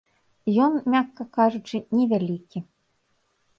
Ён, мякка кажучы, невялікі.